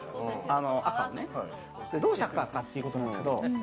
赤を、どうして赤なのかっていうことなんですけど。